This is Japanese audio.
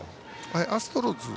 アストロズ？